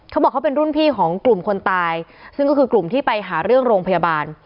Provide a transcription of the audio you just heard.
เขาบอกเขาเป็นรุ่นพี่ของกลุ่มคนตายซึ่งก็คือกลุ่มที่ไปหาเรื่องโรงพยาบาล